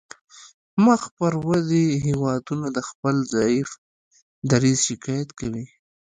مخ پر ودې هیوادونه د خپل ضعیف دریځ شکایت کوي